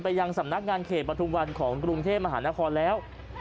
ยังสำนักงานเขตประทุมวันของกรุงเทพมหานครแล้ว